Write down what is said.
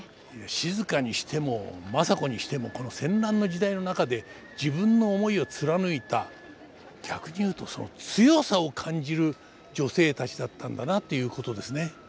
静にしても政子にしてもこの戦乱の時代の中で自分の思いを貫いた逆に言うとその強さを感じる女性たちだったんだなっていうことですね。